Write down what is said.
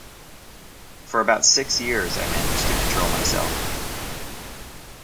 For about six years I managed to control myself.